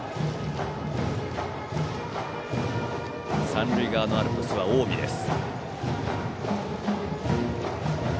三塁側のアルプスは近江です。